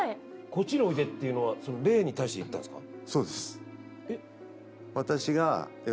「こっちにおいで」っていうのはその霊に対して言ったんですか？